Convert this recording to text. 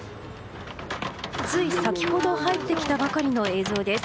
つい先ほど入ってきたばかりの映像です。